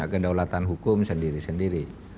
gendaulatan hukum sendiri sendiri